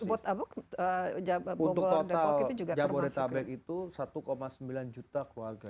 untuk total jabodetabek itu satu sembilan juta keluarga